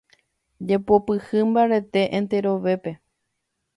Jepopyhy mbarete enterovetépe.